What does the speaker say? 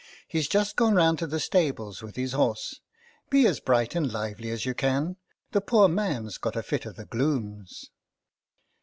" He's just gone round to the stables with his horse. Be as bright and lively as you can ; the poor man's got a fit of the glooms."